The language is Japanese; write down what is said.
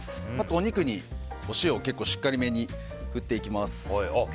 お肉にお塩を結構しっかりめに振っていきます。